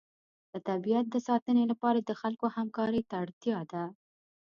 د طبیعت د ساتنې لپاره د خلکو همکارۍ ته اړتیا ده.